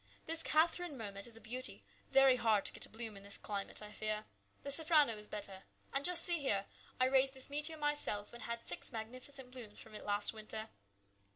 This Catherine Mermet is a beauty. Very hard to get a bloom in this climate, I fear. The Safrano is better. And just see here ! I raised this Meteor myself and had six magnificent blooms from it last winter